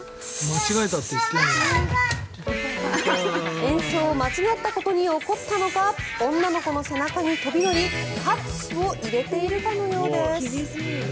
演奏を間違ったことに怒ったのか女の子の背中に飛び乗り喝を入れているかのようです。